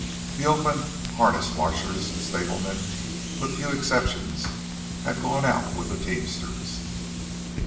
The Oakland harness washers and stablemen, with few exceptions, had gone out with the teamsters.